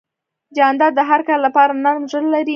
جانداد د هر کار لپاره نرم زړه لري.